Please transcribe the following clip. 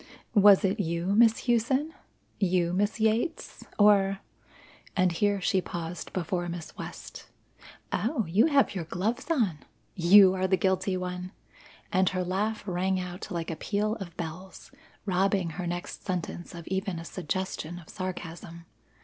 Was it you, Miss Hughson? You, Miss Yates? or " and here she paused before Miss West, "Oh, you have your gloves on! You are the guilty one!" and her laugh rang out like a peal of bells, robbing her next sentence of even a suggestion of sarcasm.